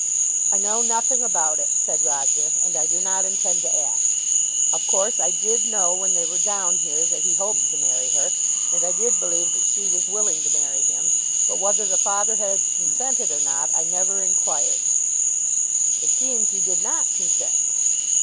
"I know nothing about it," said Roger, "and I do not intend to ask. Of course I did know when they were down here that he hoped to marry her, and I did believe that she was willing to marry him. But whether the father had consented or not I never enquired." "It seems he did not consent."